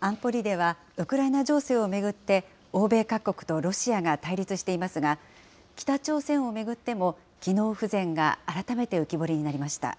安保理ではウクライナ情勢を巡って、欧米各国とロシアが対立していますが、北朝鮮を巡っても、機能不全が改めて浮き彫りになりました。